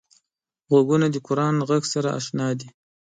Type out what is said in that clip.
غوږونه د قران غږ سره اشنا دي